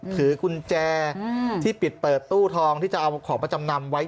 ถือกุญแจที่ปิดเปิดตู้ทองที่จะเอาของมาจำนำไว้